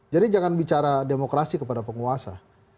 jadi jangan bicara demokrasi kepada penguasa